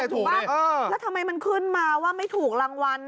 ถูกป่ะแล้วทำไมมันขึ้นมาว่าไม่ถูกรางวัล